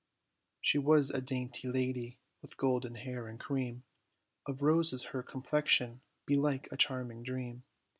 SHE was a dainty lady, with golden hair, and cream Of roses, her complexion, belike a charming dream.